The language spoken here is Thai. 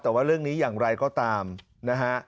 แต่ว่าเรื่องนี้อย่างไรก็ตามนะฮะ